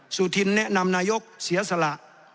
สุธินแนะนำนายกเสียสละ